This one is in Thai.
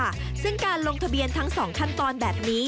ได้ด้วยเช่นกันค่ะซึ่งการลงทะเบียนทั้งสองขั้นตอนแบบนี้